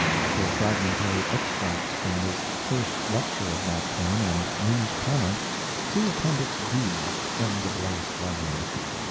[For fragmentary extracts from this first lecture of Mark Twain and news comment, see Appendix D, end of last volume.